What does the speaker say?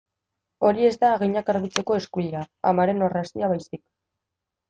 Hori ez da haginak garbitzeko eskuila, amaren orrazia baizik.